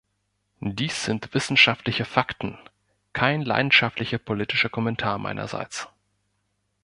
Dies sind wissenschaftliche Fakten, kein leidenschaftlicher politischer Kommentar meinerseits.